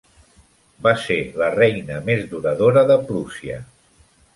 Va ser la reina més duradora de Prússia.